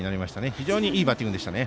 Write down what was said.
非常にいいバッティングでしたね。